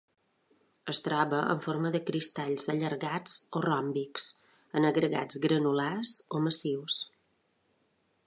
Es troba en forma de cristalls allargats o ròmbics, en agregats granulars o massius.